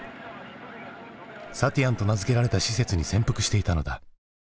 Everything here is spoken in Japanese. サティアンと名付けられた施設に潜伏していたのだ。